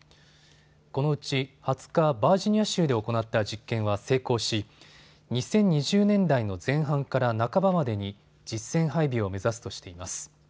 このうち２０日、バージニア州で行った実験は成功し２０２０年代の前半から半ばまでに実戦配備を目指すとしています。